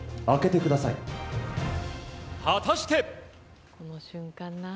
果たして。